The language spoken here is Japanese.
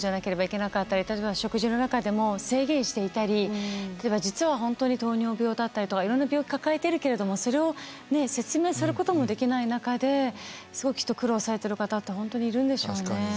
例えば食事の中でも制限していたり実は本当に糖尿病だったりとかいろんな病気抱えているけれどもそれを説明することもできない中ですごくきっと苦労されてる方って本当にいるんでしょうね。